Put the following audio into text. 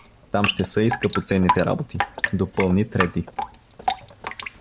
— Там ще са и скъпоценните работи — допълни трети.